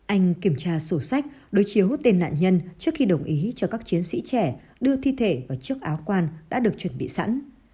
anh kiểm tra sổ sách đối chiếu tên nạn nhân trước khi đồng ý cho các chiến sĩ trẻ đưa thi thể vào chiếc áo quan đã được chuẩn bị sẵn